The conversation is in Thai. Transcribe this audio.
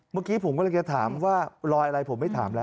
เมื่อกี้ผมกำลังจะถามว่ารอยอะไรผมไม่ถามแล้ว